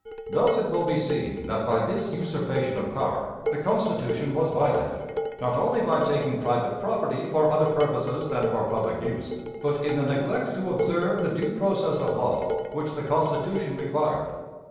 Thus it will be seen that by this usurpation of power the Constitution was violated, not only by taking private property for other purposes than for public use, but in the neglect to observe the due process of law which the Constitution required.